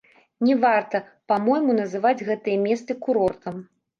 Не варта, па-мойму, называць гэтыя месцы курортам.